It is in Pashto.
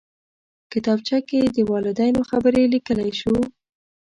کتابچه کې د والدینو خبرې لیکلی شو